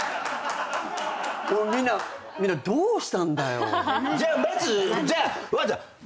みんなみんなどうしたんだよ？